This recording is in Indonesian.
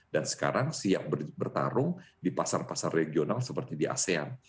sekarang siap bertarung di pasar pasar regional seperti di asean